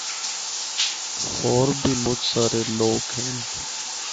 ہور بھی مُچ سارے لوک ہن۔